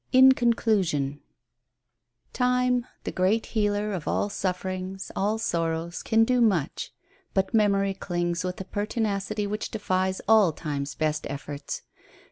IN CONCLUSION Time, the great healer of all sufferings, all sorrows, can do much, but memory clings with a pertinacity which defies all Time's best efforts.